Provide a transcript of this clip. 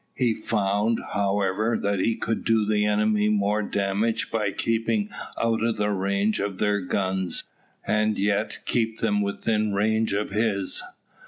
He found, however, that he could do the enemy more damage by keeping out of the range of their guns, and yet keep them within range of his.